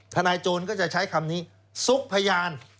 โจรก็จะใช้คำนี้ซุกพยาน